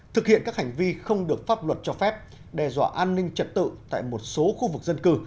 thực hiện các hành vi không được pháp luật cho phép đe dọa an ninh trật tự tại một số khu vực dân cư